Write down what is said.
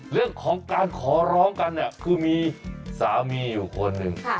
เรื่องของการขอร้องกันเนี่ยคือมีสามีอยู่คนหนึ่ง